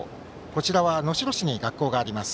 こちらは能代市に学校があります。